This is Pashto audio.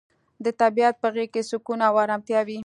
د طبیعت په غیږ کې سکون او ارامتیا وي.